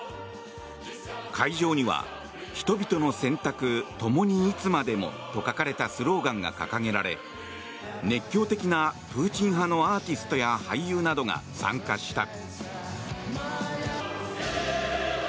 会場には「人々の選択共にいつまでも」と書かれたスローガンが掲げられ、熱狂的なプーチン派のアーティストや俳優などが参加した。